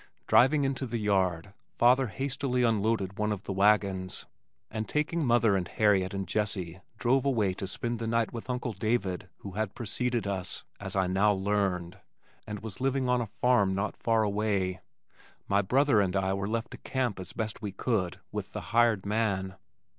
Driving into the yard, father hastily unloaded one of the wagons and taking mother and Harriet and Jessie drove away to spend the night with Uncle David who had preceded us, as I now learned, and was living on a farm not far away. My brother and I were left to camp as best we could with the hired man.